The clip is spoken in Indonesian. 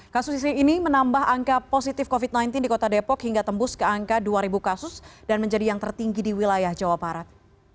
kasus ini menambah angka positif covid sembilan belas di kota depok hingga tembus ke angka dua ribu kasus dan menjadi yang tertinggi di wilayah jawa barat